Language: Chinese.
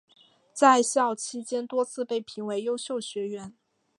在校期间多次被评为优秀学员。